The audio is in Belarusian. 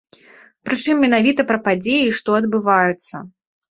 Прычым, менавіта пра падзеі, што адбываюцца.